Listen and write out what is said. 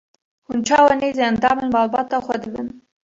Hûn çawa nêzî endamên malbata xwe dibin?